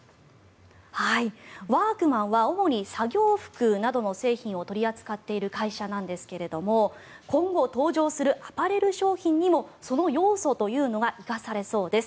ワークマンは主に作業服などの製品を取り扱っている会社なんですけれども今後登場するアパレル商品にもその要素というのが生かされそうです。